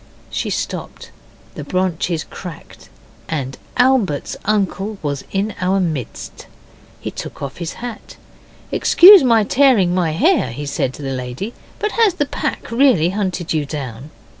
She stopped. The branches cracked, and Albert's uncle was in our midst. He took off his hat. 'Excuse my tearing my hair,' he said to the lady, 'but has the pack really hunted you down?